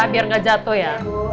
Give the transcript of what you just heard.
biar gak jatuh ya